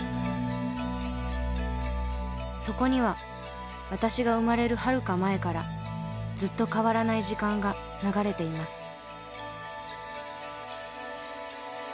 そこには私が生まれるはるか前からずっと変わらない時間が流れています。